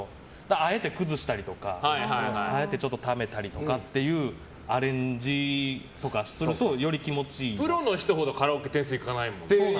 あえてくずしたりとかあえて、ちょっとためたりとかっていうアレンジとかするとプロの人ほどカラオケ点数いかないもんね。